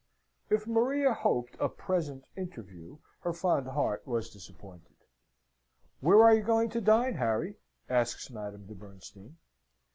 If Maria hoped a present interview, her fond heart was disappointed. "Where are you going to dine, Harry?" asks Madame de Bernstein.